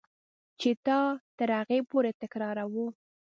چې دا تر هغې پورې تکراروه.